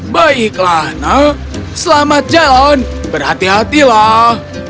baiklah nak selamat jalan berhati hatilah